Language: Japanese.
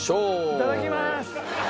いただきます！